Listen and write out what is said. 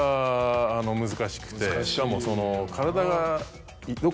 しかも。